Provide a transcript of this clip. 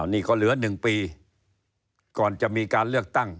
นี่ก็เหลือ๑ปีก่อนจะมีการเลือกตั้ง